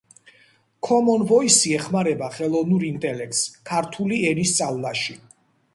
ქომონ ვოისი ეხმარება ხელოვნურ ინტელექტს ქართყლი ენის სწავლაში